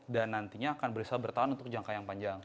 dan nantinya akan bisa bertahan untuk jangka yang panjang